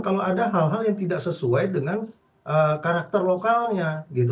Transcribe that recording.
kalau ada hal hal yang tidak sesuai dengan karakter lokalnya